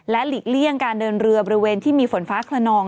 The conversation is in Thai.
หลีกเลี่ยงการเดินเรือบริเวณที่มีฝนฟ้าขนอง